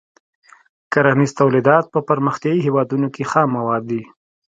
کرنیز تولیدات په پرمختیايي هېوادونو کې خام مواد دي.